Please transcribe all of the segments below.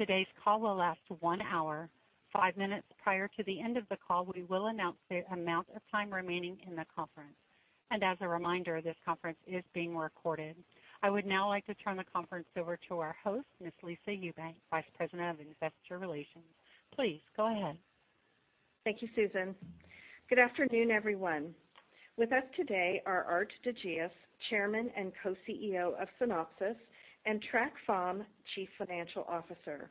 Today's call will last one hour. Five minutes prior to the end of the call, we will announce the amount of time remaining in the conference. As a reminder, this conference is being recorded. I would now like to turn the conference over to our host, Ms. Lisa Ewbank, Vice President of Investor Relations. Please go ahead. Thank you, Susan. Good afternoon, everyone. With us today are Aart de Geus, Chairman and Co-CEO of Synopsys, and Trac Pham, Chief Financial Officer.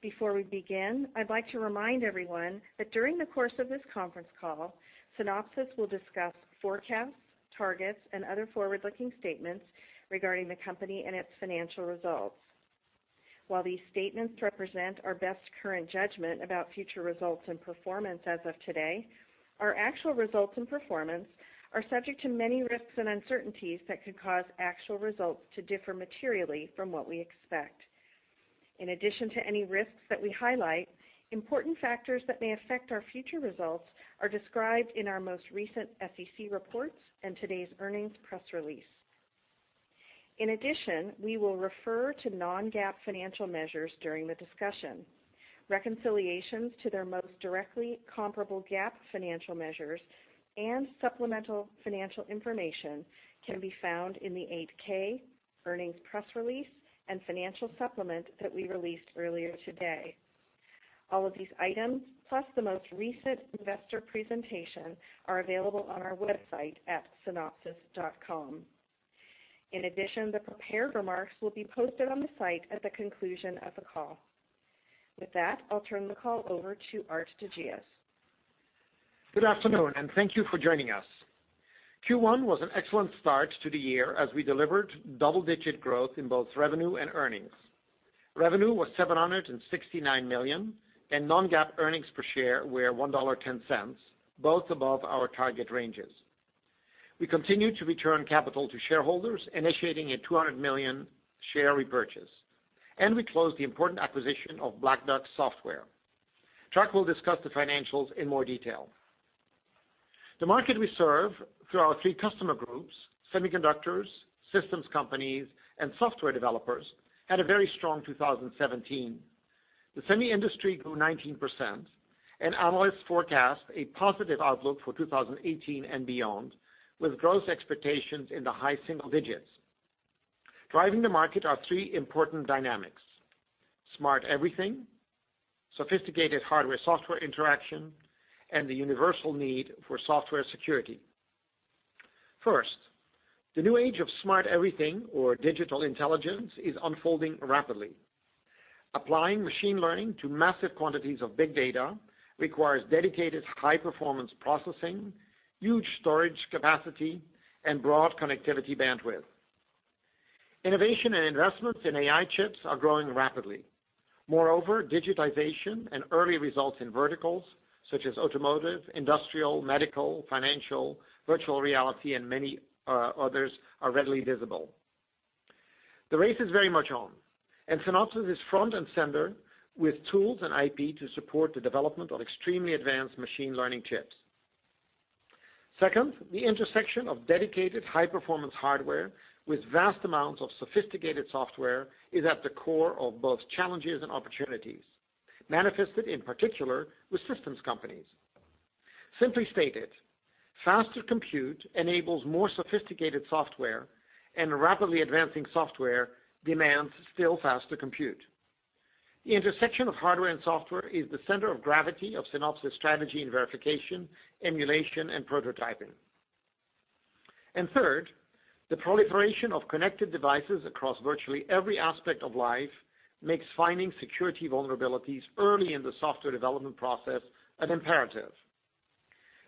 Before we begin, I'd like to remind everyone that during the course of this conference call, Synopsys will discuss forecasts, targets, and other forward-looking statements regarding the company and its financial results. While these statements represent our best current judgment about future results and performance as of today, our actual results and performance are subject to many risks and uncertainties that could cause actual results to differ materially from what we expect. In addition to any risks that we highlight, important factors that may affect our future results are described in our most recent SEC reports and today's earnings press release. In addition, we will refer to non-GAAP financial measures during the discussion. Reconciliations to their most directly comparable GAAP financial measures and supplemental financial information can be found in the 8-K earnings press release and financial supplement that we released earlier today. All of these items, plus the most recent investor presentation, are available on our website at synopsys.com. The prepared remarks will be posted on the site at the conclusion of the call. With that, I'll turn the call over to Aart de Geus. Good afternoon, thank you for joining us. Q1 was an excellent start to the year as we delivered double-digit growth in both revenue and earnings. Revenue was $769 million, and non-GAAP earnings per share were $1.10, both above our target ranges. We continued to return capital to shareholders, initiating a 200 million share repurchase, and we closed the important acquisition of Black Duck Software. Trac will discuss the financials in more detail. The market we serve through our three customer groups, semiconductors, systems companies, and software developers, had a very strong 2017. The semi industry grew 19%. Analysts forecast a positive outlook for 2018 and beyond, with growth expectations in the high single digits. Driving the market are three important dynamics: smart everything, sophisticated hardware-software interaction, and the universal need for software security. First, the new age of smart everything or digital intelligence is unfolding rapidly. Applying machine learning to massive quantities of big data requires dedicated high-performance processing, huge storage capacity, and broad connectivity bandwidth. Innovation and investments in AI chips are growing rapidly. Moreover, digitization and early results in verticals such as automotive, industrial, medical, financial, virtual reality, and many others are readily visible. The race is very much on, Synopsys is front and center with tools and IP to support the development of extremely advanced machine learning chips. Second, the intersection of dedicated high-performance hardware with vast amounts of sophisticated software is at the core of both challenges and opportunities, manifested in particular with systems companies. Simply stated, faster compute enables more sophisticated software, rapidly advancing software demands still faster compute. The intersection of hardware and software is the center of gravity of Synopsys' strategy in verification, emulation, and prototyping. Third, the proliferation of connected devices across virtually every aspect of life makes finding security vulnerabilities early in the software development process an imperative.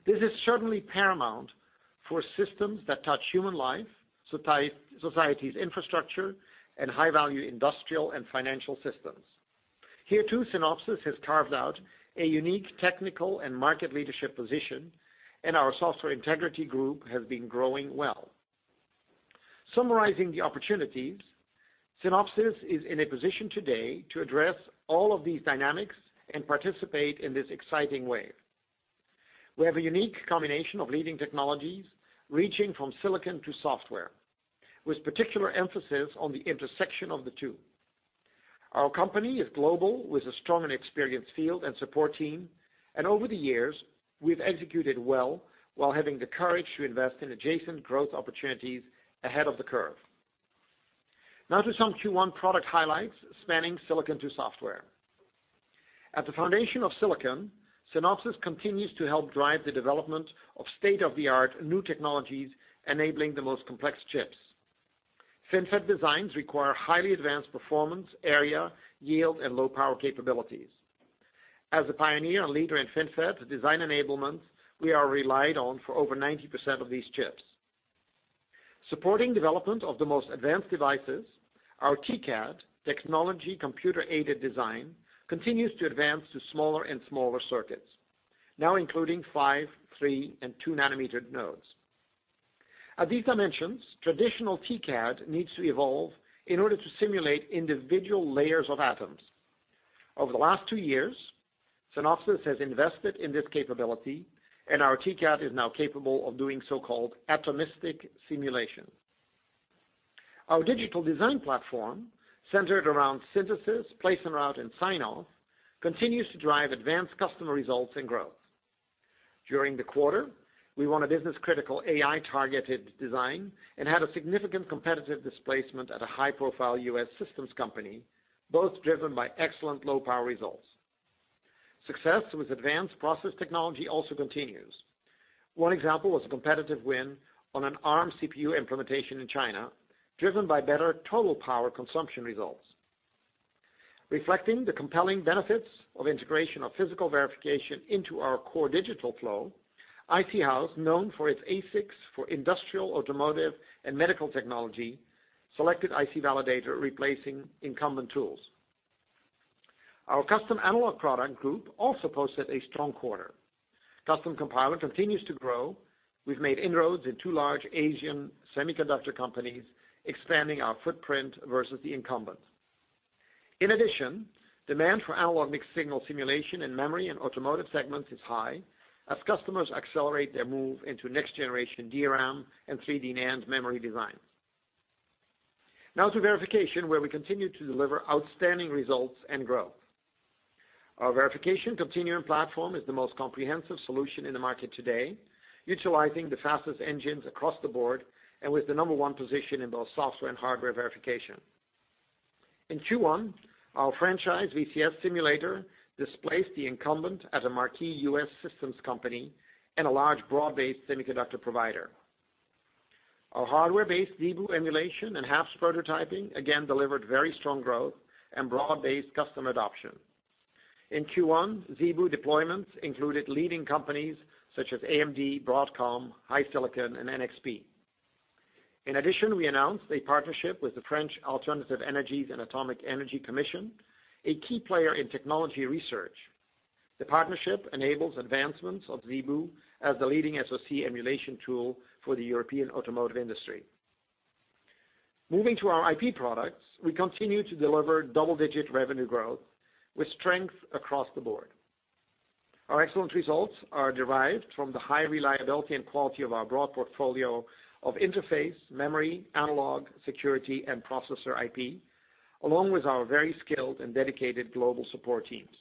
This is certainly paramount for systems that touch human life, society's infrastructure, and high-value industrial and financial systems. Here too, Synopsys has carved out a unique technical and market leadership position, our Software Integrity Group has been growing well. Summarizing the opportunities, Synopsys is in a position today to address all of these dynamics and participate in this exciting wave. We have a unique combination of leading technologies reaching from silicon to software, with particular emphasis on the intersection of the two. Our company is global, with a strong and experienced field and support team, over the years, we've executed well while having the courage to invest in adjacent growth opportunities ahead of the curve. Now to some Q1 product highlights spanning silicon to software. At the foundation of silicon, Synopsys continues to help drive the development of state-of-the-art new technologies, enabling the most complex chips. FinFET designs require highly advanced performance, area, yield, and low power capabilities. As a pioneer and leader in FinFET design enablement, we are relied on for over 90% of these chips. Supporting development of the most advanced devices, our TCAD, technology computer-aided design, continues to advance to smaller and smaller circuits, now including 5, 3, and 2 nanometer nodes. At these dimensions, traditional TCAD needs to evolve in order to simulate individual layers of atoms. Over the last two years Synopsys has invested in this capability, our TCAD is now capable of doing so-called atomistic simulation. Our digital design platform, centered around synthesis, place and route, and sign-off, continues to drive advanced customer results and growth. During the quarter, we won a business-critical AI-targeted design and had a significant competitive displacement at a high-profile U.S. systems company, both driven by excellent low-power results. Success with advanced process technology also continues. One example was a competitive win on an Arm CPU implementation in China, driven by better total power consumption results. Reflecting the compelling benefits of integration of physical verification into our core digital flow, iC-Haus, known for its ASICs for industrial, automotive, and medical technology, selected IC Validator replacing incumbent tools. Our custom analog product group also posted a strong quarter. Custom Compiler continues to grow. We've made inroads in two large Asian semiconductor companies, expanding our footprint versus the incumbent. In addition, demand for analog mixed signal simulation in memory and automotive segments is high as customers accelerate their move into next-generation DRAM and 3D NAND memory designs. To verification, where we continue to deliver outstanding results and growth. Our Verification Continuum platform is the most comprehensive solution in the market today, utilizing the fastest engines across the board and with the number one position in both software and hardware verification. In Q1, our franchise VCS simulator displaced the incumbent at a marquee U.S. systems company and a large broad-based semiconductor provider. Our hardware-based ZeBu emulation and HAPS prototyping again delivered very strong growth and broad-based customer adoption. In Q1, ZeBu deployments included leading companies such as AMD, Broadcom, HiSilicon, and NXP. In addition, we announced a partnership with the French Alternative Energies and Atomic Energy Commission, a key player in technology research. The partnership enables advancements of ZeBu as the leading SoC emulation tool for the European automotive industry. Moving to our IP products, we continue to deliver double-digit revenue growth with strength across the board. Our excellent results are derived from the high reliability and quality of our broad portfolio of interface, memory, analog, security, and processor IP, along with our very skilled and dedicated global support teams.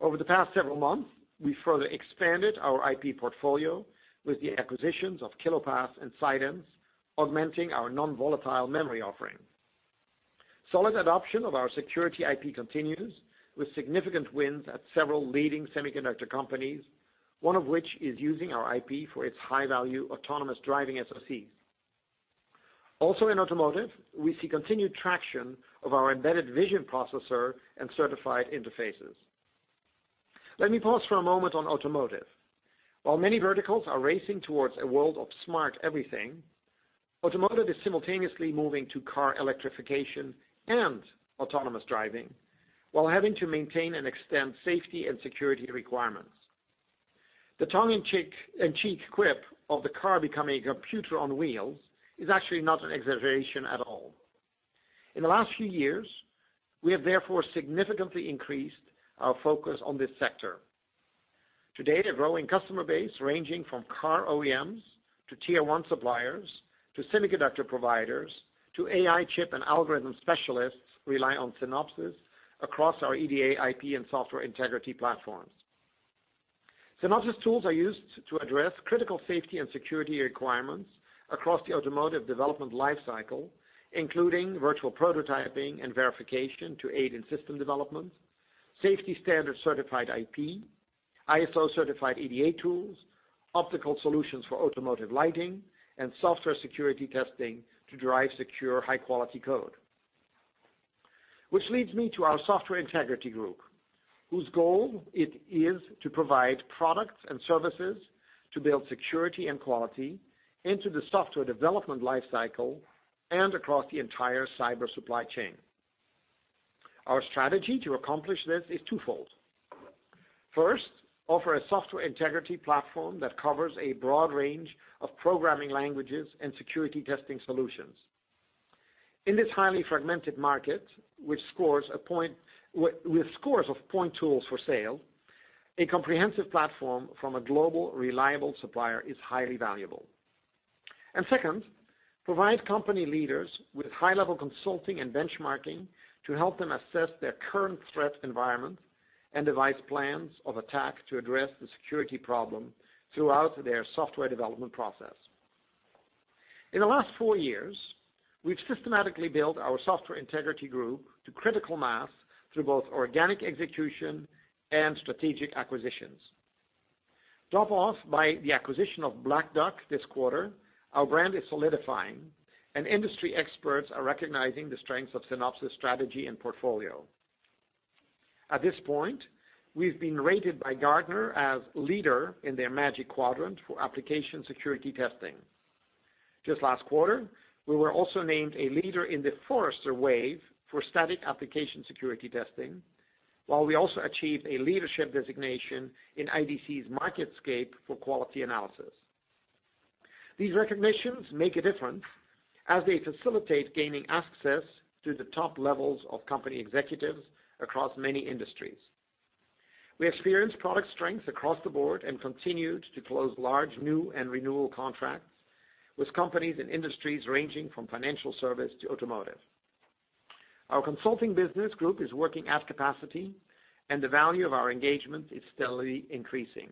Over the past several months, we further expanded our IP portfolio with the acquisitions of Kilopass and Sidense, augmenting our non-volatile memory offering. Solid adoption of our security IP continues, with significant wins at several leading semiconductor companies, one of which is using our IP for its high-value autonomous driving SoCs. Also in automotive, we see continued traction of our embedded vision processor and certified interfaces. Let me pause for a moment on automotive. Many verticals are racing towards a world of smart everything, automotive is simultaneously moving to car electrification and autonomous driving while having to maintain and extend safety and security requirements. The tongue-in-cheek quip of the car becoming a computer on wheels is actually not an exaggeration at all. In the last few years, we have therefore significantly increased our focus on this sector. To date, a growing customer base ranging from car OEMs to tier 1 suppliers, to semiconductor providers, to AI chip and algorithm specialists rely on Synopsys across our EDA, IP, and Software Integrity platforms. Synopsys tools are used to address critical safety and security requirements across the automotive development life cycle, including virtual prototyping and verification to aid in system development, safety standard certified IP, ISO-certified EDA tools, optical solutions for automotive lighting, and software security testing to drive secure, high-quality code. This leads me to our Software Integrity Group, whose goal it is to provide products and services to build security and quality into the software development life cycle and across the entire cyber supply chain. Our strategy to accomplish this is twofold. First, offer a Software Integrity platform that covers a broad range of programming languages and security testing solutions. In this highly fragmented market, with scores of point tools for sale, a comprehensive platform from a global, reliable supplier is highly valuable. Second, provide company leaders with high-level consulting and benchmarking to help them assess their current threat environment and devise plans of attack to address the security problem throughout their software development process. In the last four years, we've systematically built our Software Integrity Group to critical mass through both organic execution and strategic acquisitions. Topped off by the acquisition of Black Duck this quarter, our brand is solidifying, and industry experts are recognizing the strength of Synopsys's strategy and portfolio. At this point, we've been rated by Gartner as leader in their Magic Quadrant for application security testing. Just last quarter, we were also named a leader in the Forrester Wave for static application security testing, while we also achieved a leadership designation in IDC's MarketScape for quality analysis. These recognitions make a difference as they facilitate gaining access to the top levels of company executives across many industries. We experienced product strength across the board and continued to close large new and renewal contracts with companies in industries ranging from financial service to automotive. Our consulting business group is working at capacity, and the value of our engagement is steadily increasing.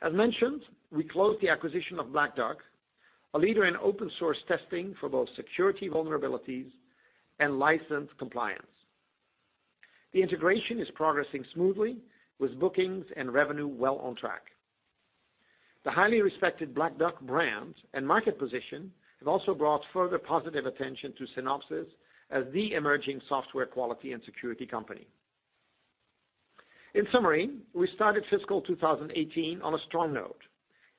As mentioned, we closed the acquisition of Black Duck, a leader in open source testing for both security vulnerabilities and license compliance. The integration is progressing smoothly, with bookings and revenue well on track. The highly respected Black Duck brand and market position have also brought further positive attention to Synopsys as the emerging software quality and security company. In summary, we started fiscal 2018 on a strong note,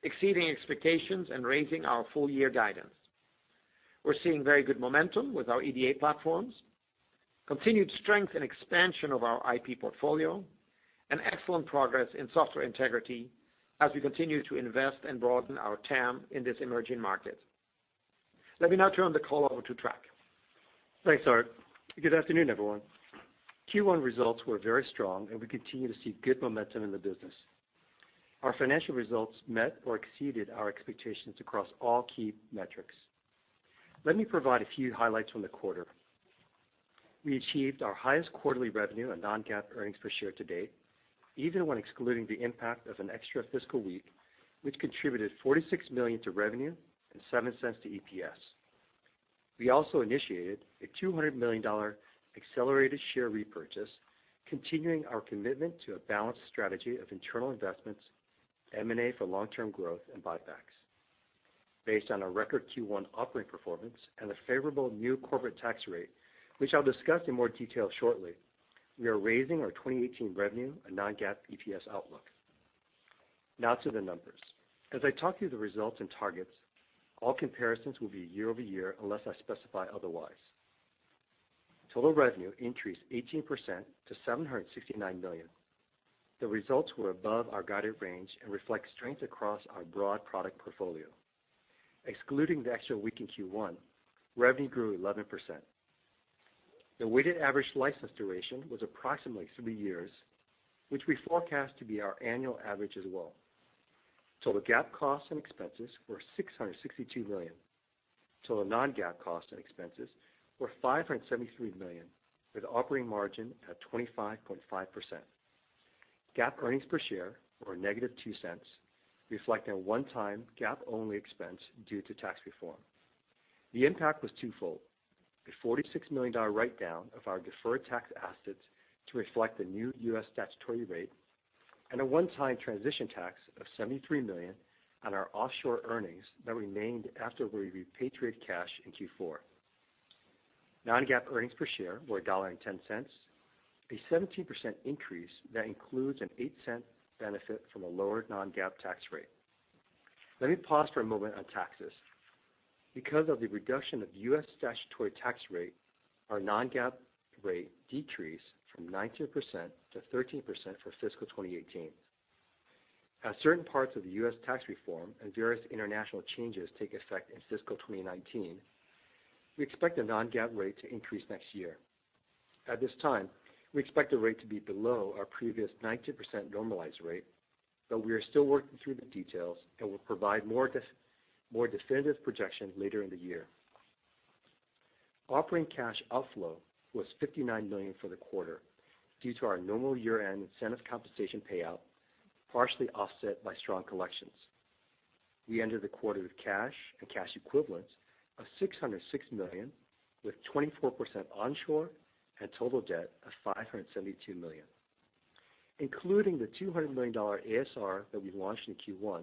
exceeding expectations and raising our full year guidance. We're seeing very good momentum with our EDA platforms, continued strength and expansion of our IP portfolio, and excellent progress in software integrity as we continue to invest and broaden our TAM in this emerging market. Let me now turn the call over to Trac. Thanks, Aart. Good afternoon, everyone. Q1 results were very strong, we continue to see good momentum in the business. Our financial results met or exceeded our expectations across all key metrics. Let me provide a few highlights from the quarter. We achieved our highest quarterly revenue and non-GAAP earnings per share to date, even when excluding the impact of an extra fiscal week, which contributed $46 million to revenue and $0.07 to EPS. We also initiated a $200 million accelerated share repurchase, continuing our commitment to a balanced strategy of internal investments, M&A for long-term growth, and buybacks. Based on our record Q1 operating performance and a favorable new corporate tax rate, which I'll discuss in more detail shortly, we are raising our 2018 revenue and non-GAAP EPS outlook. Now to the numbers. As I talk through the results and targets, all comparisons will be year-over-year unless I specify otherwise. Total revenue increased 18% to $769 million. The results were above our guided range and reflect strength across our broad product portfolio. Excluding the extra week in Q1, revenue grew 11%. The weighted average license duration was approximately three years, which we forecast to be our annual average as well. Total GAAP costs and expenses were $662 million. Total non-GAAP costs and expenses were $573 million, with operating margin at 25.5%. GAAP earnings per share were a negative $0.02, reflecting a one-time GAAP-only expense due to tax reform. The impact was twofold. A $46 million write-down of our deferred tax assets to reflect the new U.S. statutory rate, and a one-time transition tax of $73 million on our offshore earnings that remained after we repatriated cash in Q4. Non-GAAP earnings per share were $1.10, a 17% increase that includes an $0.08 benefit from a lower non-GAAP tax rate. Let me pause for a moment on taxes. Because of the reduction of U.S. statutory tax rate, our non-GAAP rate decreased from 19% to 13% for fiscal 2018. As certain parts of the U.S. tax reform and various international changes take effect in fiscal 2019, we expect the non-GAAP rate to increase next year. At this time, we expect the rate to be below our previous 19% normalized rate, but we are still working through the details and will provide more definitive projection later in the year. Operating cash outflow was $59 million for the quarter due to our normal year-end incentive compensation payout, partially offset by strong collections. We ended the quarter with cash and cash equivalents of $606 million, with 24% onshore and total debt of $572 million. Including the $200 million ASR that we launched in Q1,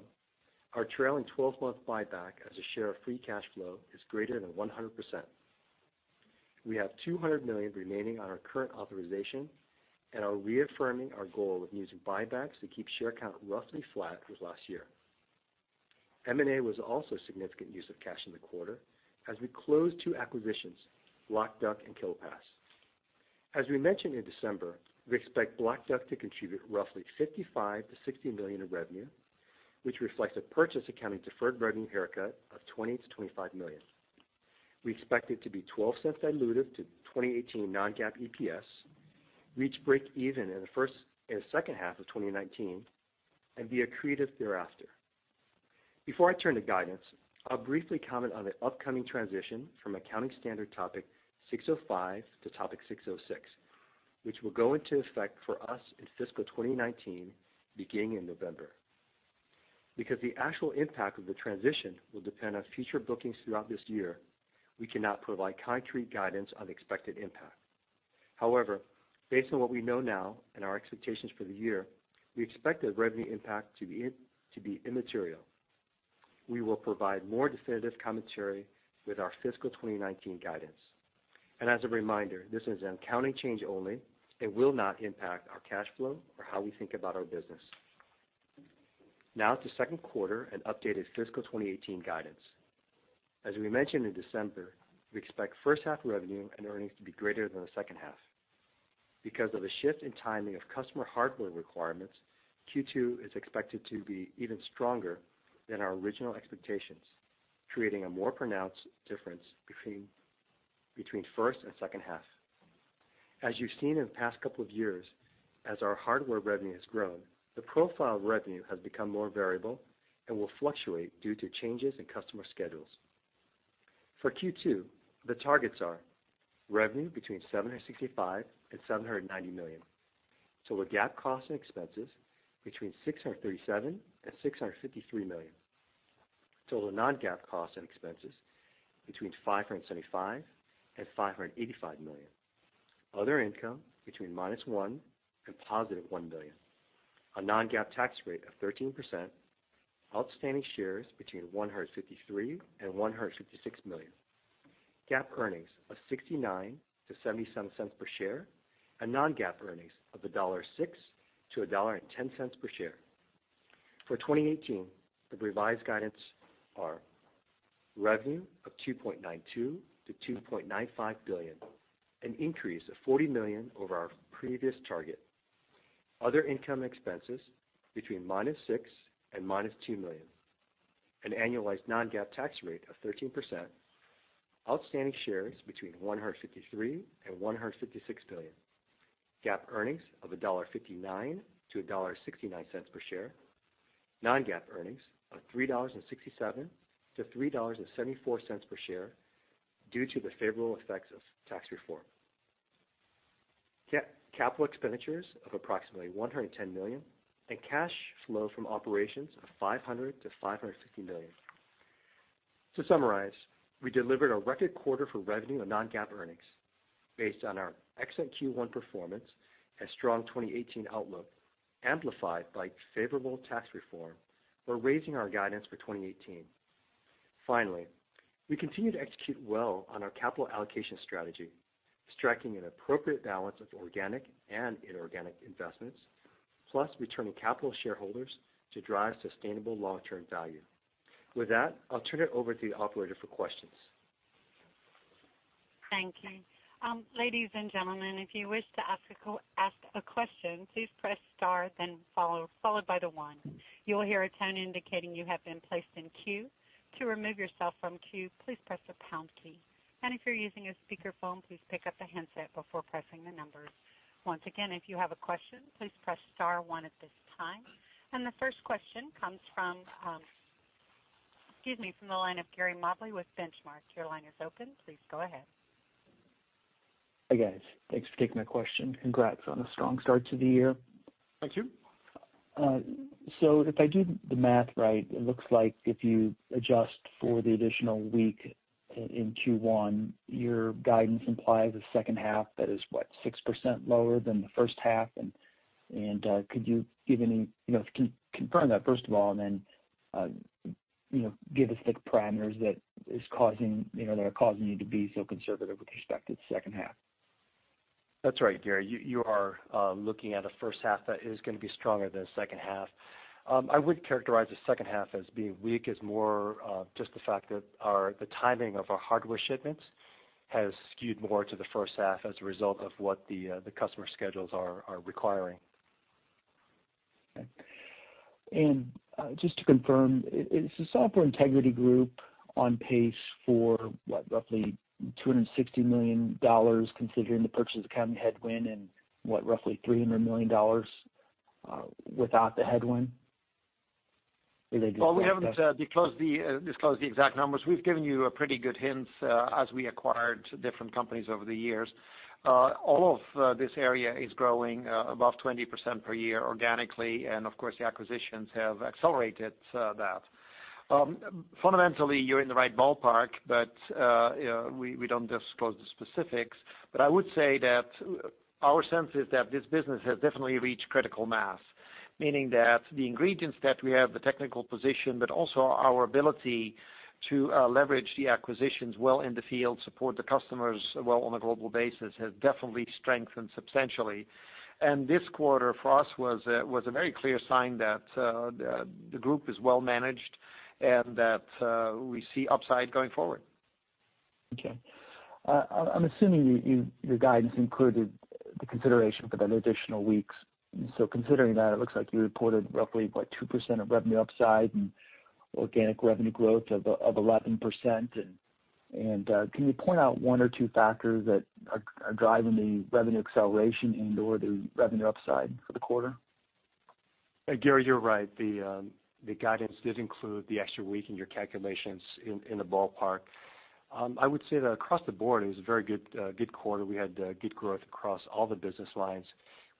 our trailing 12-month buyback as a share of free cash flow is greater than 100%. We have $200 million remaining on our current authorization and are reaffirming our goal of using buybacks to keep share count roughly flat with last year. M&A was also a significant use of cash in the quarter as we closed two acquisitions, Black Duck and Kilopass. As we mentioned in December, we expect Black Duck to contribute roughly $55 million-$60 million in revenue, which reflects a purchase accounting deferred revenue haircut of $20 million-$25 million. We expect it to be $0.12 dilutive to 2018 non-GAAP EPS, reach break even in the second half of 2019, and be accretive thereafter. Before I turn to guidance, I'll briefly comment on the upcoming transition from Accounting Standard Topic 605 to Topic 606, which will go into effect for us in fiscal 2019, beginning in November. Because the actual impact of the transition will depend on future bookings throughout this year, we cannot provide concrete guidance on expected impact. However, based on what we know now and our expectations for the year, we expect the revenue impact to be immaterial. We will provide more definitive commentary with our fiscal 2019 guidance. As a reminder, this is an accounting change only. It will not impact our cash flow or how we think about our business. Now to second quarter and updated fiscal 2018 guidance. As we mentioned in December, we expect first half revenue and earnings to be greater than the second half. Because of a shift in timing of customer hardware requirements, Q2 is expected to be even stronger than our original expectations, creating a more pronounced difference between first and second half. As you've seen in the past couple of years, as our hardware revenue has grown, the profile of revenue has become more variable and will fluctuate due to changes in customer schedules. For Q2, the targets are revenue between $765 million-$790 million. Total GAAP costs and expenses between $637 million-$653 million. Total non-GAAP costs and expenses between $575 million-$585 million. Other income between -$1 billion and +$1 billion. A non-GAAP tax rate of 13%. Outstanding shares between 153 million-156 million. GAAP earnings of $0.69-$0.77 per share, and non-GAAP earnings of $1.06-$1.10 per share. For 2018, the revised guidance are revenue of $2.92 billion-$2.95 billion, an increase of $40 million over our previous target. Other income expenses between -$6 million and -$2 million. An annualized non-GAAP tax rate of 13%. Outstanding shares between 153 million and 156 million. GAAP earnings of $1.59-$1.69 per share. Non-GAAP earnings of $3.67-$3.74 per share due to the favorable effects of tax reform. Capital expenditures of approximately $110 million, and cash flow from operations of $500 million-$550 million. To summarize, we delivered a record quarter for revenue and non-GAAP earnings based on our excellent Q1 performance and strong 2018 outlook, amplified by favorable tax reform. We're raising our guidance for 2018. Finally, we continue to execute well on our capital allocation strategy, striking an appropriate balance of organic and inorganic investments, plus returning capital to shareholders to drive sustainable long-term value. With that, I'll turn it over to the operator for questions. Thank you. Ladies and gentlemen, if you wish to ask a question, please press star, then followed by the one. You will hear a tone indicating you have been placed in queue. To remove yourself from queue, please press the pound key. If you're using a speakerphone, please pick up the handset before pressing the numbers. Once again, if you have a question, please press star one at this time. The first question comes from the line of Gary Mobley with Benchmark. Your line is open. Please go ahead. Hi, guys. Thanks for taking my question. Congrats on a strong start to the year. Thank you. If I do the math right, it looks like if you adjust for the additional week in Q1, your guidance implies a second half that is, what, 6% lower than the first half? Could you confirm that first of all, then give us the parameters that are causing you to be so conservative with respect to the second half? That's right, Gary. You are looking at a first half that is going to be stronger than the second half. I wouldn't characterize the second half as being weak. It's more just the fact that the timing of our hardware shipments has skewed more to the first half as a result of what the customer schedules are requiring. Okay. Just to confirm, is the Software Integrity Group on pace for roughly $260 million, considering the purchase accounting headwind and roughly $300 million without the headwind? Well, we haven't disclosed the exact numbers. We've given you pretty good hints as we acquired different companies over the years. All of this area is growing above 20% per year organically, and of course, the acquisitions have accelerated that. We don't disclose the specifics. I would say that our sense is that this business has definitely reached critical mass, meaning that the ingredients that we have, the technical position, but also our ability to leverage the acquisitions well in the field, support the customers well on a global basis, has definitely strengthened substantially. This quarter for us was a very clear sign that the group is well managed, and that we see upside going forward. Okay. I'm assuming your guidance included the consideration for the additional weeks. Considering that, it looks like you reported roughly 2% of revenue upside and organic revenue growth of 11%. Can you point out one or two factors that are driving the revenue acceleration and/or the revenue upside for the quarter? Gary, you're right. The guidance did include the extra week in your calculations in the ballpark. I would say that across the board, it was a very good quarter. We had good growth across all the business lines.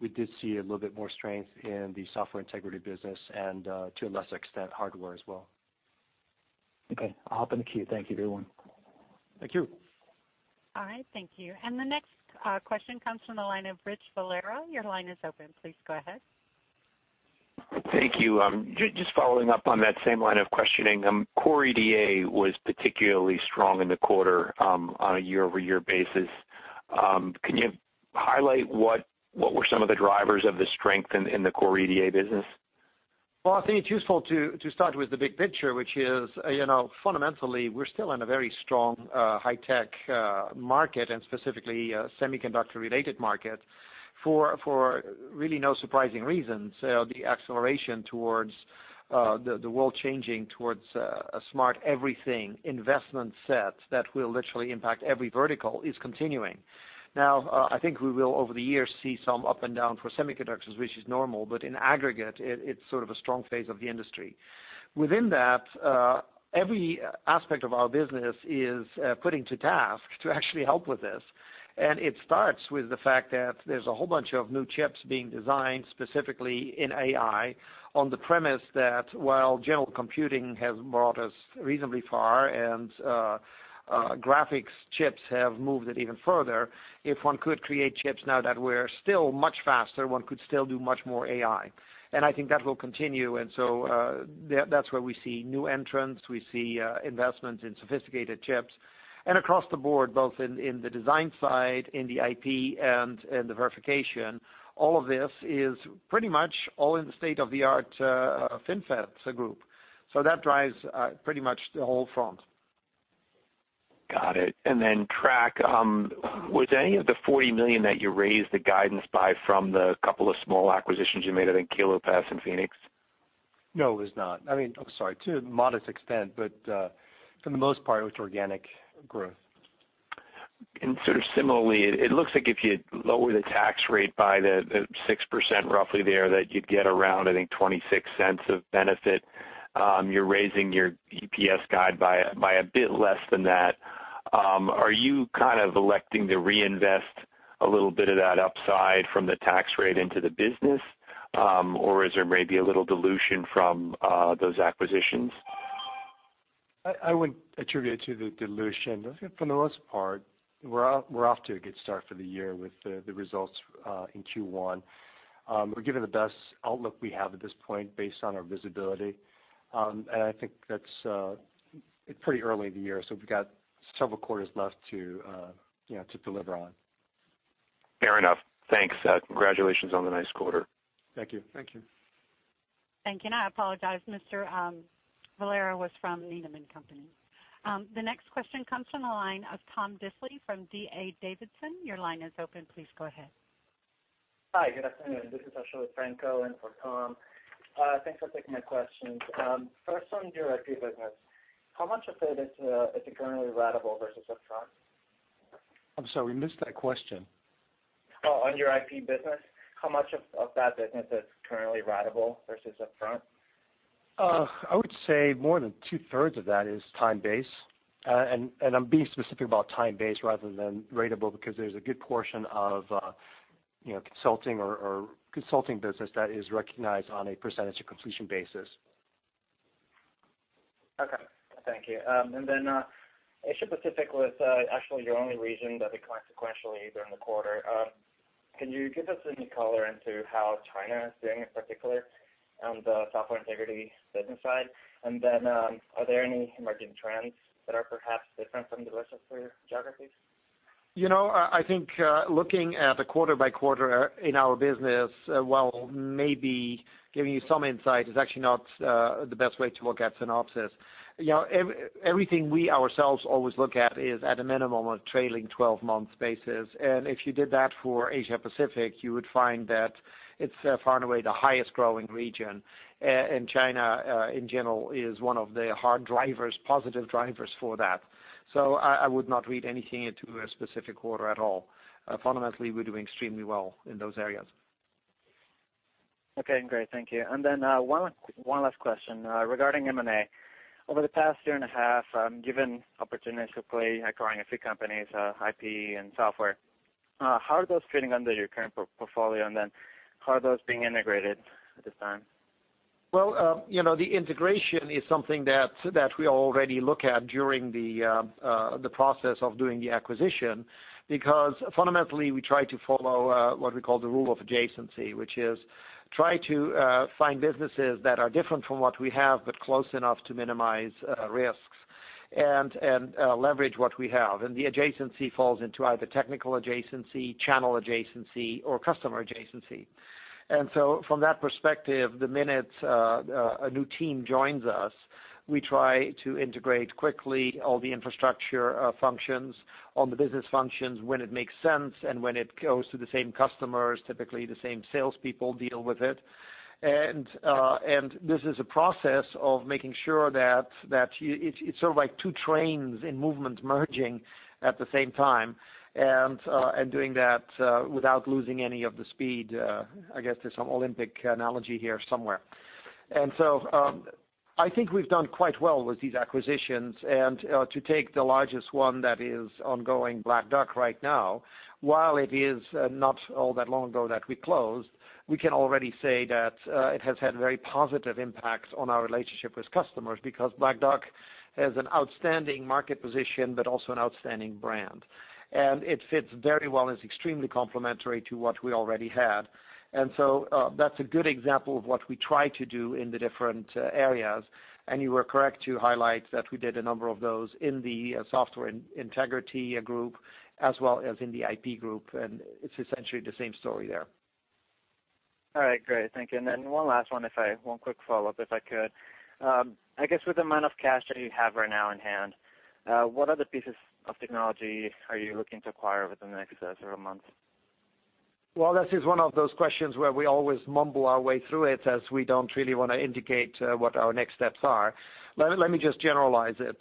We did see a little bit more strength in the Software Integrity business and, to a lesser extent, hardware as well. Okay, I'll hop in the queue. Thank you to everyone. Thank you. All right. Thank you. The next question comes from the line of Rich Valera. Your line is open. Please go ahead. Thank you. Just following up on that same line of questioning. Core EDA was particularly strong in the quarter on a year-over-year basis. Can you highlight what were some of the drivers of the strength in the core EDA business? Well, I think it's useful to start with the big picture, which is fundamentally, we're still in a very strong high-tech market and specifically a semiconductor-related market for really no surprising reasons. The acceleration towards the world changing towards a smart everything investment set that will literally impact every vertical is continuing. Now, I think we will, over the years, see some up and down for semiconductors, which is normal, but in aggregate, it's sort of a strong phase of the industry. Within that, every aspect of our business is putting to task to actually help with this. It starts with the fact that there's a whole bunch of new chips being designed specifically in AI on the premise that while general computing has brought us reasonably far and graphics chips have moved it even further, if one could create chips now that were still much faster, one could still do much more AI. I think that will continue. That's where we see new entrants. We see investments in sophisticated chips and across the board, both in the design side, in the IP and the verification, all of this is pretty much all in state-of-the-art FinFET group. That drives pretty much the whole front. Got it. Trac, was any of the $40 million that you raised the guidance by from the couple of small acquisitions you made, I think Kilopass and Phoenix? No, it was not. I'm sorry. To a modest extent, but for the most part, it was organic growth. Sort of similarly, it looks like if you lower the tax rate by the 6% roughly there, that you'd get around, I think, $0.26 of benefit. You're raising your EPS guide by a bit less than that. Are you kind of electing to reinvest a little bit of that upside from the tax rate into the business? Or is there maybe a little dilution from those acquisitions? I wouldn't attribute it to the dilution. For the most part, we're off to a good start for the year with the results in Q1. We're giving the best outlook we have at this point based on our visibility. I think it's pretty early in the year, so we've got several quarters left to deliver on. Fair enough. Thanks. Congratulations on the nice quarter. Thank you. Thank you. Thank you. I apologize, Mr. Valera was from Needham & Company. The next question comes from the line of Tom Diffely from D.A. Davidson. Your line is open. Please go ahead. Hi. Good afternoon. This is actually Franco in for Tom. Thanks for taking my questions. First on your IP business, how much of it is currently ratable versus upfront? I'm sorry, we missed that question. On your IP business, how much of that business is currently ratable versus upfront? I would say more than two-thirds of that is time-based, and I'm being specific about time-based rather than ratable because there's a good portion of consulting business that is recognized on a percentage of completion basis. Okay. Thank you. Asia Pacific was actually your only region that was consequential during the quarter. Can you give us any color into how China is doing in particular on the software integrity business side? Are there any emerging trends that are perhaps different from the rest of your geographies? I think looking at the quarter-by-quarter in our business, while maybe giving you some insight, is actually not the best way to look at Synopsys. Everything we ourselves always look at is at a minimum of trailing 12 months basis, if you did that for Asia Pacific, you would find that it's far and away the highest growing region, China in general is one of the hard drivers, positive drivers for that. I would not read anything into a specific quarter at all. Fundamentally, we're doing extremely well in those areas. Okay, great. Thank you. One last question regarding M&A. Over the past year and a half, given opportunistically acquiring a few companies, IP and software, how are those fitting under your current portfolio? How are those being integrated at this time? The integration is something that we already look at during the process of doing the acquisition because fundamentally we try to follow what we call the rule of adjacency, which is try to find businesses that are different from what we have, but close enough to minimize risks and leverage what we have. The adjacency falls into either technical adjacency, channel adjacency, or customer adjacency. From that perspective, the minute a new team joins us, we try to integrate quickly all the infrastructure functions on the business functions when it makes sense and when it goes to the same customers, typically the same salespeople deal with it, and this is a process of making sure that it's sort of like two trains in movement merging at the same time and doing that without losing any of the speed. I guess there's some Olympic analogy here somewhere. I think we've done quite well with these acquisitions and to take the largest one that is ongoing, Black Duck right now, while it is not all that long ago that we closed, we can already say that it has had very positive impacts on our relationship with customers because Black Duck has an outstanding market position, but also an outstanding brand, and it fits very well and is extremely complementary to what we already had. That's a good example of what we try to do in the different areas, and you were correct to highlight that we did a number of those in the Software Integrity Group as well as in the IP Group, and it's essentially the same story there. All right, great. Thank you. One last one quick follow-up, if I could. I guess with the amount of cash that you have right now in hand, what other pieces of technology are you looking to acquire within the next several months? This is one of those questions where we always mumble our way through it, as we don't really want to indicate what our next steps are. Let me just generalize it.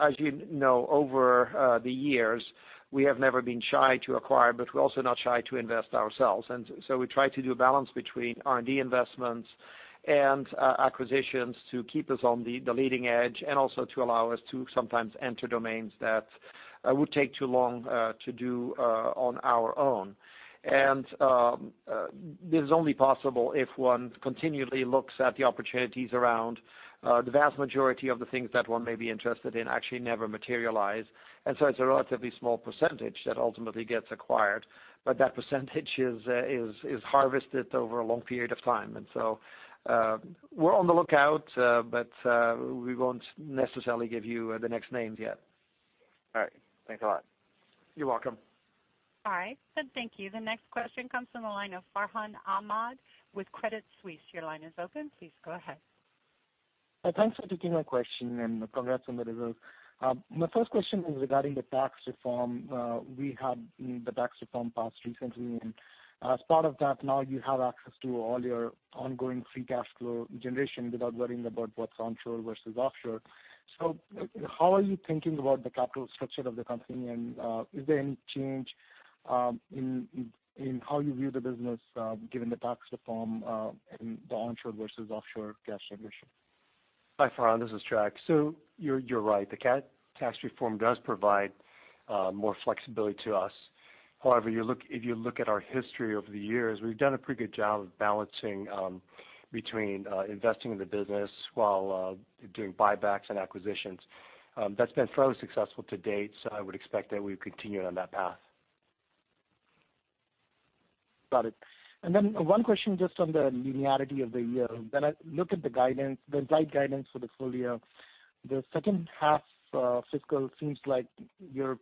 As you know, over the years, we have never been shy to acquire, but we're also not shy to invest ourselves. We try to do a balance between R&D investments and acquisitions to keep us on the leading edge, and also to allow us to sometimes enter domains that would take too long to do on our own. This is only possible if one continually looks at the opportunities around. The vast majority of the things that one may be interested in actually never materialize. It's a relatively small percentage that ultimately gets acquired, but that percentage is harvested over a long period of time. We're on the lookout, but we won't necessarily give you the next names yet. All right. Thanks a lot. You're welcome. All right, thank you. The next question comes from the line of Farhan Ahmad with Credit Suisse. Your line is open. Please go ahead. Thanks for taking my question and congrats on the results. My first question is regarding the tax reform. We had the tax reform passed recently. As part of that, now you have access to all your ongoing free cash flow generation without worrying about what's onshore versus offshore. How are you thinking about the capital structure of the company? Is there any change in how you view the business given the tax reform, and the onshore versus offshore cash generation? Hi, Farhan, this is Trac. You're right, the tax reform does provide more flexibility to us. However, if you look at our history over the years, we've done a pretty good job of balancing between investing in the business while doing buybacks and acquisitions. That's been fairly successful to date. I would expect that we continue on that path. Got it. One question just on the linearity of the year. When I look at the guidance, the implied guidance for the full year, the second half fiscal seems like you're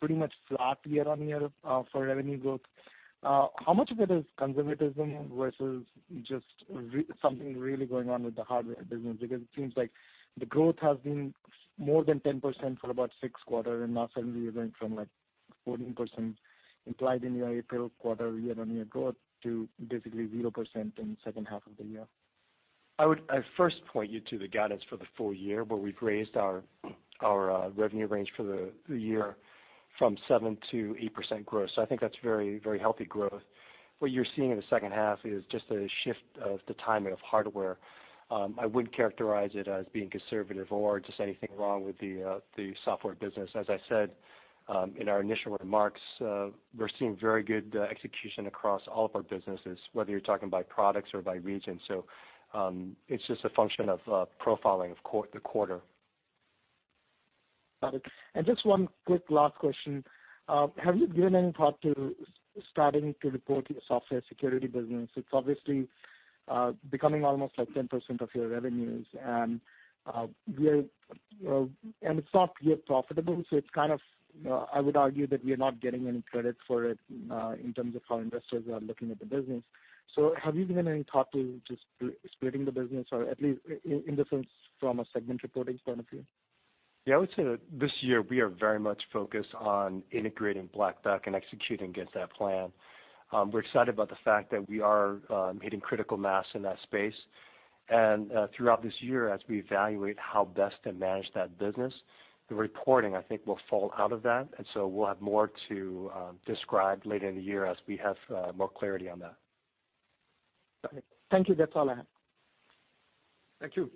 pretty much flat year-on-year for revenue growth. How much of it is conservatism versus just something really going on with the hardware business? Because it seems like the growth has been more than 10% for about six quarters, and now suddenly you're going from 14% implied in your April quarter year-on-year growth to basically 0% in the second half of the year. I would at first point you to the guidance for the full year, where we've raised our revenue range for the year from 7%-8% growth. I think that's very healthy growth. What you're seeing in the second half is just a shift of the timing of hardware. I wouldn't characterize it as being conservative or just anything wrong with the software business. As I said in our initial remarks, we're seeing very good execution across all of our businesses, whether you're talking by products or by region. It's just a function of profiling of the quarter. Got it. Just one quick last question. Have you given any thought to starting to report your software security business? It's obviously becoming almost 10% of your revenues, and it's not yet profitable, I would argue that we are not getting any credit for it in terms of how investors are looking at the business. Have you given any thought to just splitting the business, or at least in the sense from a segment reporting point of view? I would say that this year we are very much focused on integrating Black Duck and executing against that plan. We're excited about the fact that we are hitting critical mass in that space. Throughout this year, as we evaluate how best to manage that business, the reporting, I think, will fall out of that. We'll have more to describe later in the year as we have more clarity on that. Got it. Thank you. That's all I had. Thank you.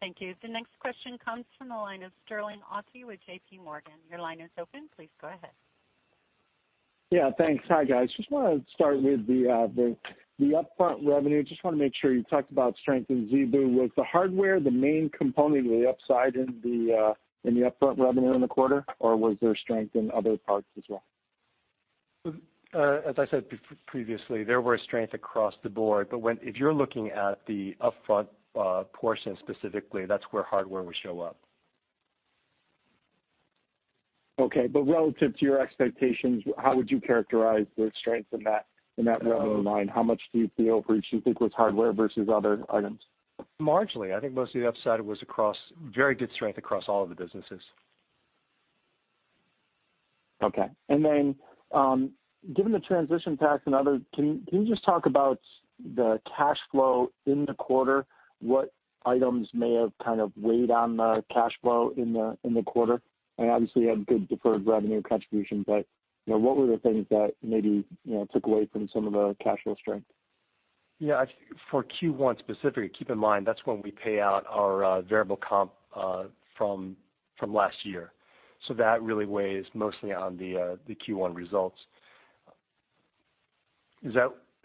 Thank you. The next question comes from the line of Sterling Auty with JPMorgan. Your line is open. Please go ahead. Yeah, thanks. Hi, guys. Just want to start with the upfront revenue. Just want to make sure, you talked about strength in ZeBu. Was the hardware the main component of the upside in the upfront revenue in the quarter, or was there strength in other parts as well? As I said previously, there were strength across the board. If you're looking at the upfront portion specifically, that's where hardware would show up. Okay, relative to your expectations, how would you characterize the strength in that revenue line? How much do you feel for each do you think was hardware versus other items? Marginally. I think most of the upside was very good strength across all of the businesses. Okay. Given the transition tax and other, can you just talk about the cash flow in the quarter, what items may have kind of weighed on the cash flow in the quarter? Obviously, you had good deferred revenue contribution, but what were the things that maybe took away from some of the cash flow strength? Yeah. For Q1 specifically, keep in mind, that's when we pay out our variable comp from last year. That really weighs mostly on the Q1 results.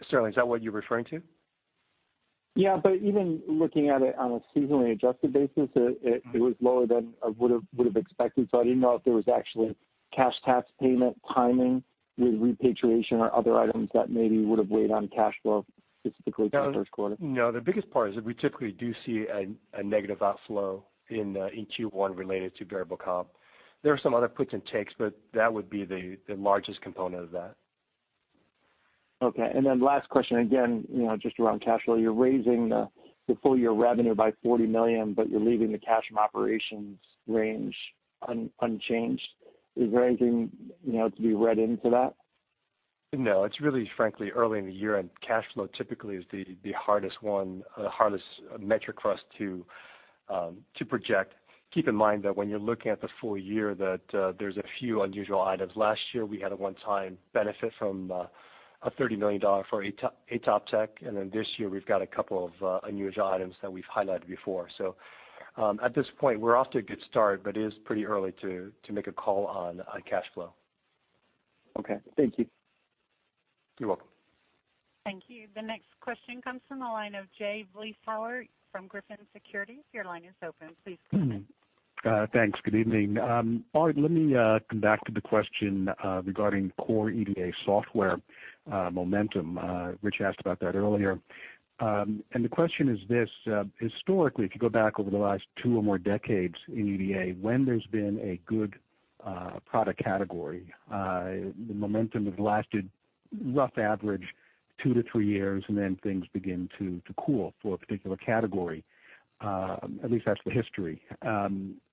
Sterling, is that what you're referring to? Yeah, even looking at it on a seasonally adjusted basis, it was lower than I would have expected. I didn't know if there was actually cash tax payment timing with repatriation or other items that maybe would have weighed on cash flow specifically for the first quarter. The biggest part is that we typically do see a negative outflow in Q1 related to variable comp. There are some other puts and takes, but that would be the largest component of that. Okay. Last question, again, just around cash flow. You're raising the full-year revenue by $40 million, but you're leaving the cash from operations range unchanged. Is there anything to be read into that? It's really, frankly, early in the year, and cash flow typically is the hardest metric for us to project. Keep in mind that when you're looking at the full year, there's a few unusual items. Last year, we had a one-time benefit from a $30 million for ATopTech. This year, we've got a couple of unusual items that we've highlighted before. At this point, we're off to a good start, but it is pretty early to make a call on cash flow. Okay. Thank you. You're welcome. Thank you. The next question comes from the line of Jay Vleeschhouwer from Griffin Securities. Your line is open. Please go ahead. Thanks. Good evening. Aart, let me come back to the question regarding core EDA software momentum. Rich asked about that earlier. The question is this: historically, if you go back over the last two or more decades in EDA, when there's been a good product category, the momentum has lasted, rough average, two to three years, and then things begin to cool for a particular category. At least that's the history.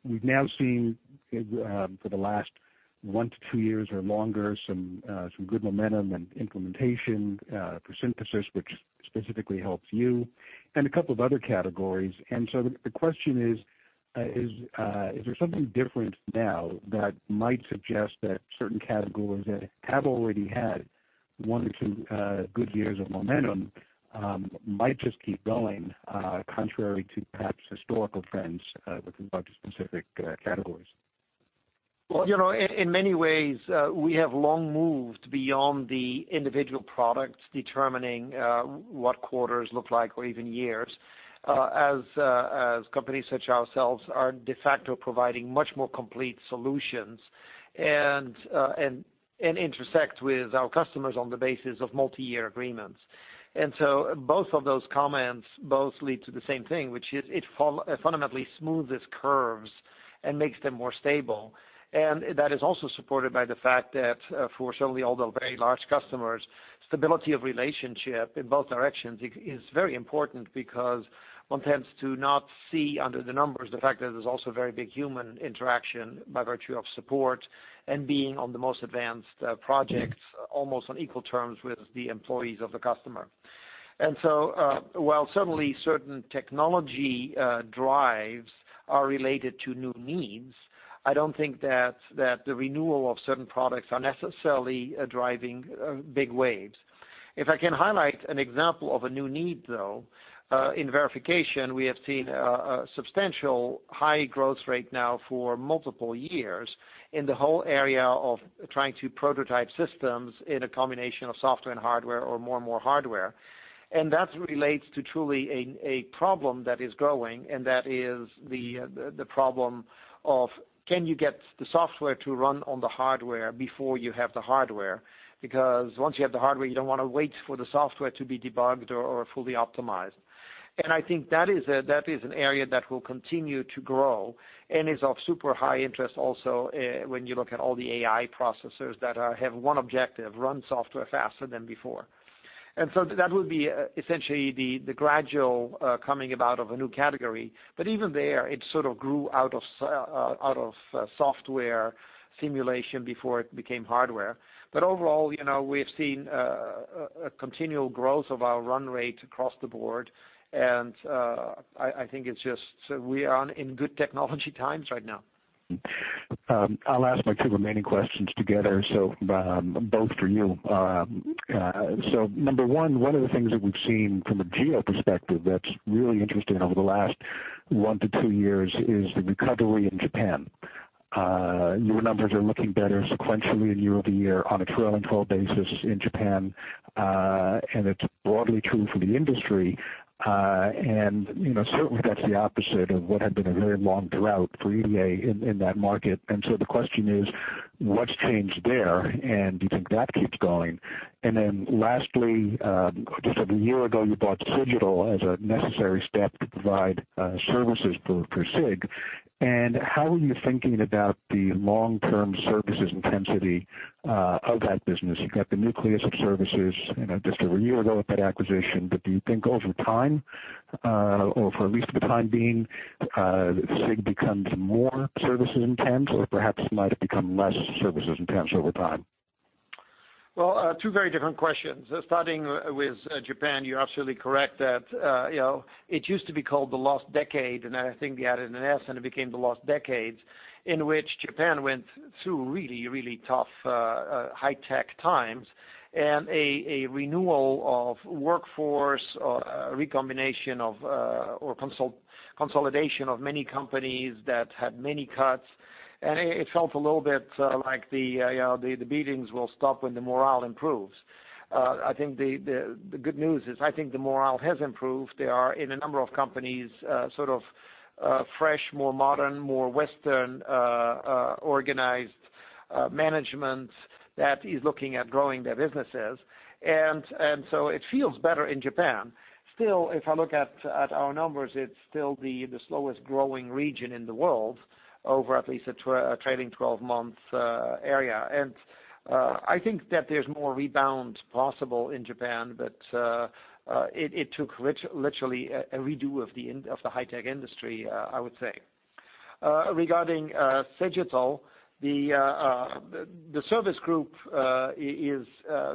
We've now seen, for the last one to two years or longer, some good momentum and implementation for synthesis, which specifically helps you, and a couple of other categories. So the question is: is there something different now that might suggest that certain categories that have already had one or two good years of momentum might just keep going, contrary to perhaps historical trends with regard to specific categories? Well, in many ways, we have long moved beyond the individual products determining what quarters look like or even years, as companies such as ourselves are de facto providing much more complete solutions and intersect with our customers on the basis of multi-year agreements. Both of those comments both lead to the same thing, which is it fundamentally smoothes curves and makes them more stable. That is also supported by the fact that for certainly all the very large customers, stability of relationship in both directions is very important because one tends to not see under the numbers the fact that there's also very big human interaction by virtue of support and being on the most advanced projects, almost on equal terms with the employees of the customer. While certainly certain technology drives are related to new needs, I don't think that the renewal of certain products are necessarily driving big waves. If I can highlight an example of a new need, though, in verification, we have seen a substantial high growth rate now for multiple years in the whole area of trying to prototype systems in a combination of software and hardware or more and more hardware. That relates to truly a problem that is growing, and that is the problem of can you get the software to run on the hardware before you have the hardware? Because once you have the hardware, you don't want to wait for the software to be debugged or fully optimized. I think that is an area that will continue to grow and is of super high interest also when you look at all the AI processors that have one objective: run software faster than before. That would be essentially the gradual coming about of a new category. Even there, it sort of grew out of software simulation before it became hardware. Overall, we've seen a continual growth of our run rate across the board, and I think it's just we are in good technology times right now. I'll ask my two remaining questions together, so both for you. Number one of the things that we've seen from a geo perspective that's really interesting over the last one to two years is the recovery in Japan. Your numbers are looking better sequentially and year-over-year on a trailing 12 basis in Japan, and it's broadly true for the industry. Certainly that's the opposite of what had been a very long drought for EDA in that market. The question is: what's changed there, and do you think that keeps going? Lastly, just over a year ago, you bought Cigital as a necessary step to provide services for SIG. How are you thinking about the long-term services intensity of that business? You got the nucleus of services just over a year ago with that acquisition, do you think over time or for at least the time being, SIG becomes more services intense or perhaps might become less services intense over time? Well, two very different questions. Starting with Japan, you're absolutely correct that it used to be called the lost decade, and I think they added an S and it became the lost decades in which Japan went through really tough high-tech times and a renewal of workforce, a recombination of, or consolidation of many companies that had many cuts. It felt a little bit like the beatings will stop when the morale improves. I think the good news is I think the morale has improved. They are in a number of companies sort of fresh, more modern, more Western organized management that is looking at growing their businesses. So it feels better in Japan. Still, if I look at our numbers, it's still the slowest growing region in the world over at least a trailing 12-month area. I think that there's more rebound possible in Japan, but it took literally a redo of the high-tech industry, I would say. Regarding Cigital, the service group is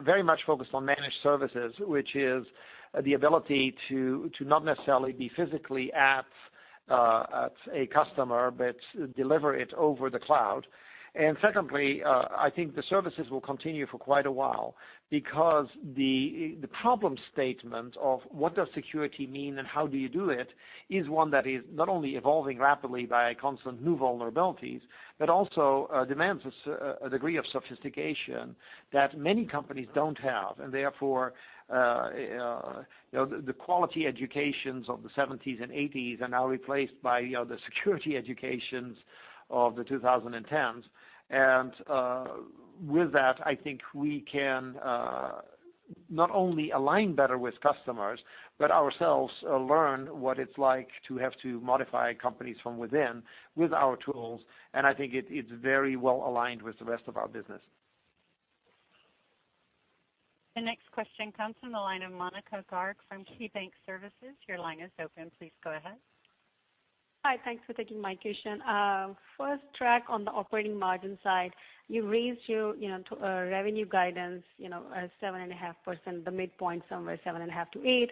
very much focused on managed services, which is the ability to not necessarily be physically at a customer, but deliver it over the cloud. Secondly, I think the services will continue for quite a while because the problem statement of what does security mean and how do you do it is one that is not only evolving rapidly by constant new vulnerabilities, but also demands a degree of sophistication that many companies don't have. Therefore, the quality educations of the '70s and '80s are now replaced by the security educations of the 2010s. With that, I think we can not only align better with customers, but ourselves learn what it's like to have to modify companies from within, with our tools, and I think it's very well-aligned with the rest of our business. The next question comes from the line of Monika Garg from KeyBanc Capital Markets. Your line is open. Please go ahead. Hi, thanks for taking my question. First, Trac, on the operating margin side, you raised your revenue guidance, 7.5%, the midpoint somewhere 7.5%-8%.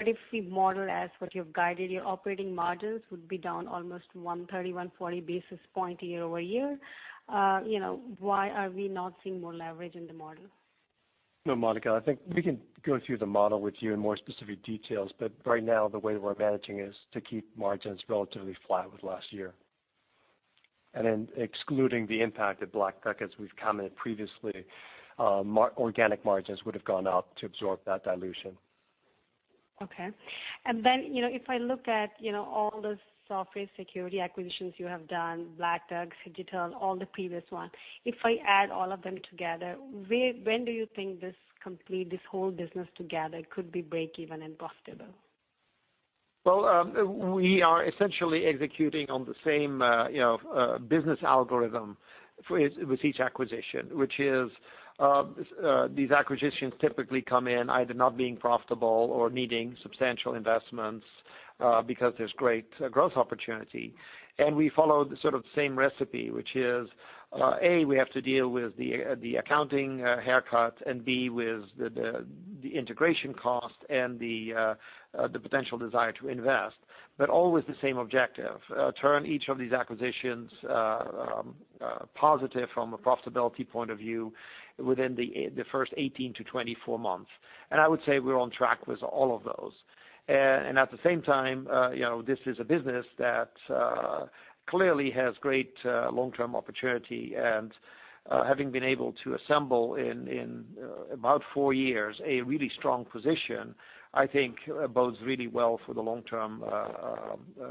If we model as what you've guided, your operating margins would be down almost 130-140 basis points year-over-year. Why are we not seeing more leverage in the model? Monika, I think we can go through the model with you in more specific details, but right now the way we're managing is to keep margins relatively flat with last year. Excluding the impact of Black Duck, as we've commented previously, organic margins would have gone up to absorb that dilution. Okay. If I look at all the software security acquisitions you have done, Black Duck, Cigital, all the previous ones. If I add all of them together, when do you think this complete, this whole business together could be breakeven and profitable? Well, we are essentially executing on the same business algorithm with each acquisition, which is, these acquisitions typically come in either not being profitable or needing substantial investments, because there's great growth opportunity. We follow the same recipe, which is, A, we have to deal with the accounting haircut, and B, with the integration cost and the potential desire to invest, but always the same objective. Turn each of these acquisitions positive from a profitability point of view within the first 18 to 24 months. I would say we're on track with all of those. At the same time, this is a business that clearly has great long-term opportunity and, having been able to assemble in about four years, a really strong position, I think bodes really well for the long-term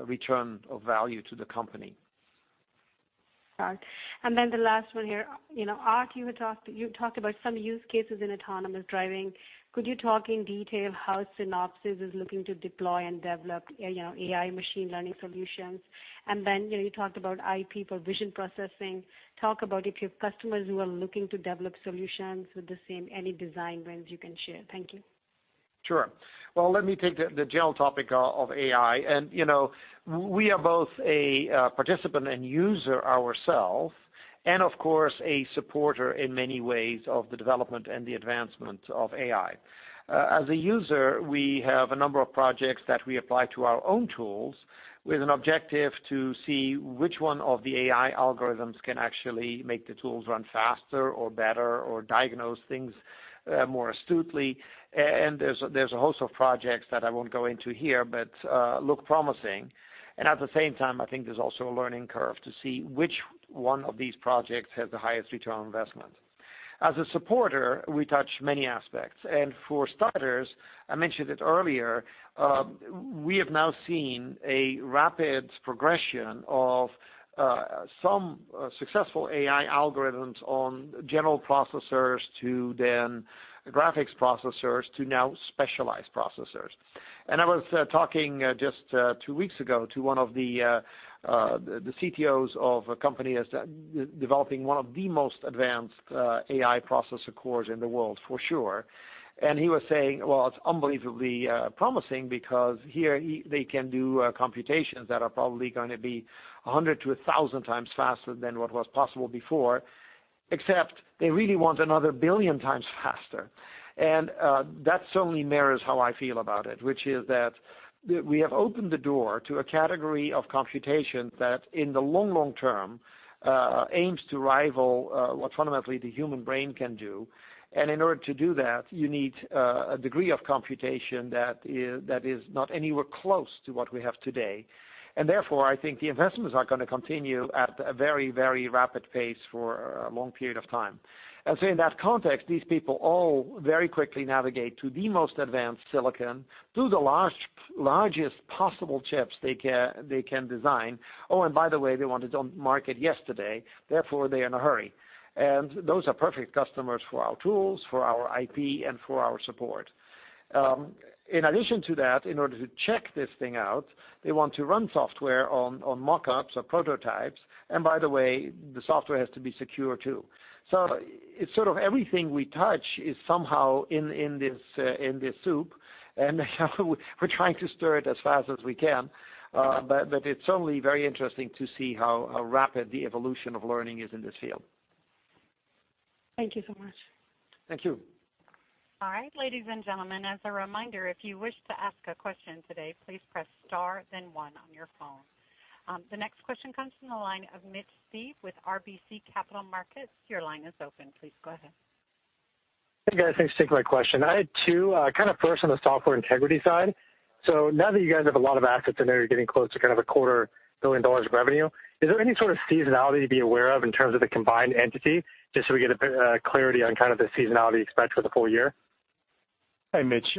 return of value to the company. Right. The last one here. Aart, you had talked about some use cases in autonomous driving. Could you talk in detail how Synopsys is looking to deploy and develop AI machine learning solutions? You talked about IP for vision processing. Talk about if you have customers who are looking to develop solutions with the same, any design wins you can share. Thank you. Sure. Well, let me take the general topic of AI. We are both a participant and user ourself, and of course, a supporter in many ways of the development and the advancement of AI. As a user, we have a number of projects that we apply to our own tools with an objective to see which one of the AI algorithms can actually make the tools run faster or better or diagnose things more astutely. There's a host of projects that I won't go into here, but look promising. At the same time, I think there's also a learning curve to see which one of these projects has the highest return on investment. As a supporter, we touch many aspects. For starters, I mentioned it earlier, we have now seen a rapid progression of some successful AI algorithms on general processors to then graphics processors to now specialized processors. I was talking just two weeks ago to one of the CTOs of a company that's developing one of the most advanced AI processor cores in the world, for sure. He was saying, well, it's unbelievably promising because here they can do computations that are probably going to be 100 to 1,000 times faster than what was possible before. Except they really want another billion times faster. That certainly mirrors how I feel about it, which is that we have opened the door to a category of computation that in the long, long term, aims to rival what fundamentally the human brain can do. In order to do that, you need a degree of computation that is not anywhere close to what we have today. Therefore, I think the investments are going to continue at a very, very rapid pace for a long period of time. So in that context, these people all very quickly navigate to the most advanced silicon, to the largest possible chips they can design. Oh, and by the way, they want it on market yesterday, therefore, they're in a hurry. Those are perfect customers for our tools, for our IP, and for our support. In addition to that, in order to check this thing out, they want to run software on mock-ups or prototypes. By the way, the software has to be secure, too. It's sort of everything we touch is somehow in this soup, and we're trying to stir it as fast as we can. It's certainly very interesting to see how rapid the evolution of learning is in this field. Thank you so much. Thank you. All right. Ladies and gentlemen, as a reminder, if you wish to ask a question today, please press star then one on your phone. The next question comes from the line of Mitch Steves with RBC Capital Markets. Your line is open. Please go ahead. Hey, guys. Thanks for taking my question. I had two, kind of first on the Software Integrity side. Now that you guys have a lot of assets in there, you're getting close to kind of a $0.25 billion of revenue, is there any sort of seasonality to be aware of in terms of the combined entity, just so we get a bit of clarity on kind of the seasonality expense for the full year? Hey, Mitch.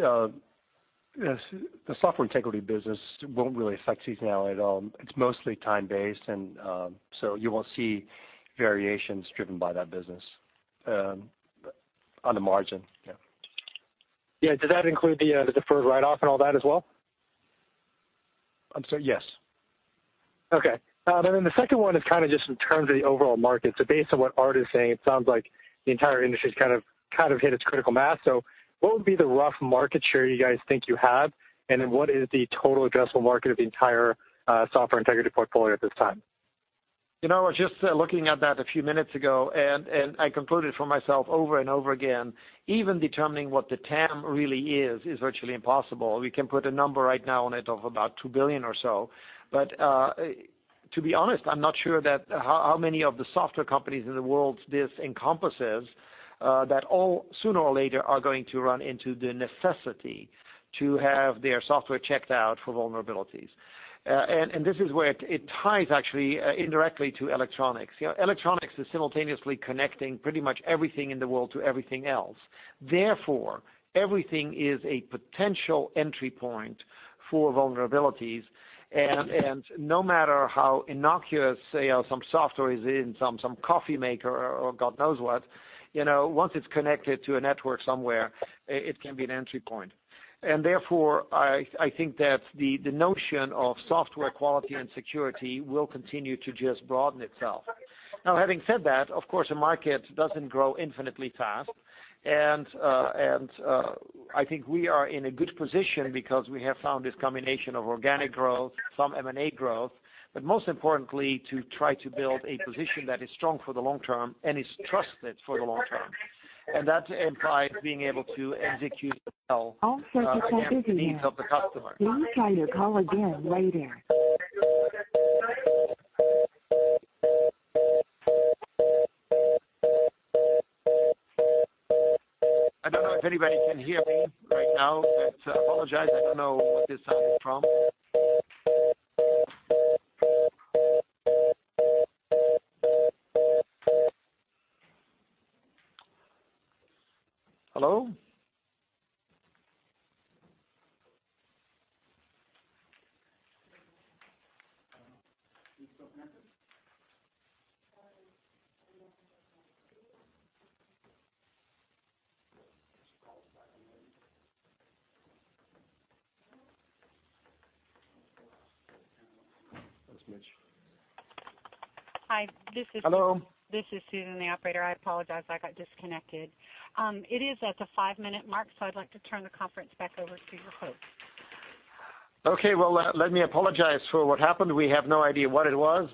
The Software Integrity business won't really affect seasonality at all. It's mostly time-based, and so you won't see variations driven by that business on the margin. Yeah. Yeah. Does that include the deferred write-off and all that as well? I'm sorry. Yes. Okay. The second one is kind of just in terms of the overall market. Based on what Aart is saying, it sounds like the entire industry's kind of hit its critical mass. What would be the rough market share you guys think you have? What is the total addressable market of the entire software integrity portfolio at this time? I was just looking at that a few minutes ago, I concluded for myself over and over again, even determining what the TAM really is virtually impossible. We can put a number right now on it of about $2 billion or so. To be honest, I am not sure how many of the software companies in the world this encompasses that all sooner or later are going to run into the necessity to have their software checked out for vulnerabilities. This is where it ties actually indirectly to electronics. Electronics is simultaneously connecting pretty much everything in the world to everything else. Therefore, everything is a potential entry point for vulnerabilities, and no matter how innocuous, say, some software is in some coffee maker or God knows what, once it is connected to a network somewhere, it can be an entry point. Therefore, I think that the notion of software quality and security will continue to just broaden itself. Now, having said that, of course, the market does not grow infinitely fast. I think we are in a good position because we have found this combination of organic growth, some M&A growth, but most importantly, to try to build a position that is strong for the long term and is trusted for the long term. That implies being able to execute well All circuits are busy now. Please try your call again later I don't know if anybody can hear me right now, but I apologize. I don't know what this sound is from. Hello? Are you still connected? No, I am not. Call back maybe. That's Mitch. Hi, this is- Hello. This is Susan, the operator. I apologize. I got disconnected. It is at the five-minute mark, so I'd like to turn the conference back over to your host. Okay. Well, let me apologize for what happened. We have no idea what it was.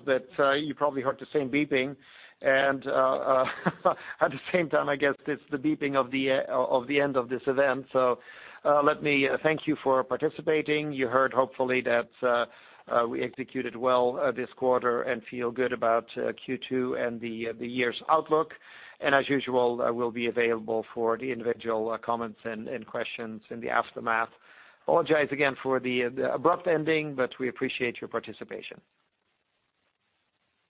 You probably heard the same beeping and at the same time, I guess it's the beeping of the end of this event. Let me thank you for participating. You heard hopefully that we executed well this quarter and feel good about Q2 and the year's outlook. As usual, I will be available for the individual comments and questions in the aftermath. Apologize again for the abrupt ending. We appreciate your participation.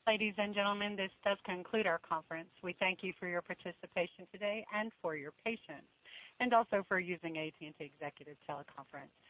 Ladies and gentlemen, this does conclude our conference. We thank you for your participation today and for your patience, and also for using AT&T Executive Teleconference. You may